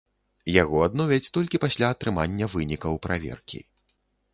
Яго адновяць толькі пасля атрымання вынікаў праверкі.